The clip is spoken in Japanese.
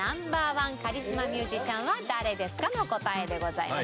カリスマミュージシャンは誰ですか？の答えでございます。